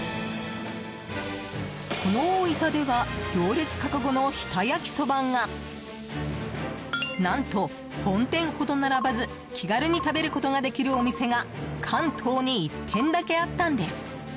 この大分では行列覚悟の日田焼きそばが何と、本店ほど並ばず気軽に食べることができるお店が関東に１店だけあったんです。